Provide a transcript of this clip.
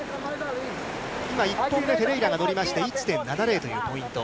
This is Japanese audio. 今、１本目、フェレイラが乗りまして、１．７０というポイント。